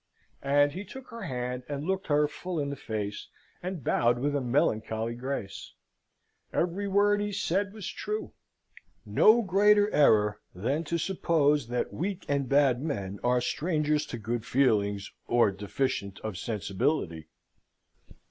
And he took her hand and looked her full in the face, and bowed with a melancholy grace. Every word he said was true. No greater error than to suppose that weak and bad men are strangers to good feelings, or deficient of sensibility.